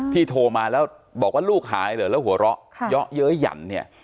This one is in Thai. โทรมาแล้วบอกว่าลูกหายเหรอแล้วหัวเราะเยอะเย้ยหยั่นเนี่ย